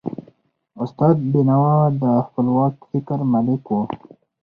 استاد بینوا د خپلواک فکر مالک و.